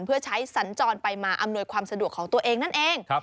เพื่อใช้สัญจรไปมาอำนวยความสะดวกของตัวเองนั่นเอง